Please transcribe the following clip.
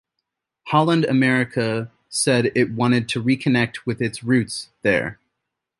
Holland America said it wanted to reconnect with its roots there.